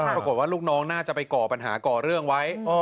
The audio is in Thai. ปรากฏว่าลูกน้องน่าจะไปก่อปัญหาก่อเรื่องไว้